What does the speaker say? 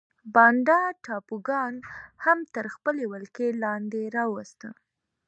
بانډا ټاپوګان هم تر خپلې ولکې لاندې راوسته.